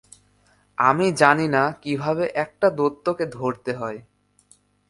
আমি জানি না কিভাবে একটা দৈত্যকে ধরতে হয়।